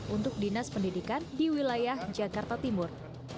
untuk dinas pendidikan di wilayah jakarta timur